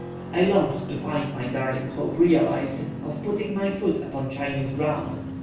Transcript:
I longed to find my darling hope realized, of putting my foot upon Chinese ground.